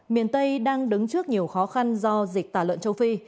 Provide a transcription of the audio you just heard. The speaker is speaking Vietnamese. miền tây đang đứng trước nhiều khó khăn do dịch tả lợn châu phi